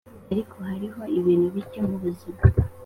ariko hariho ibintu bike mubuzima